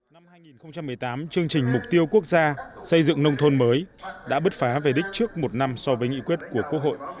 năm hai nghìn một mươi tám chương trình mục tiêu quốc gia xây dựng nông thôn mới đã bứt phá về đích trước một năm so với nghị quyết của quốc hội